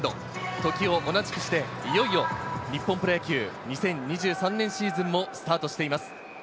時を同じくして、いよいよ日本プロ野球２０２３年シーズンもスタートしています。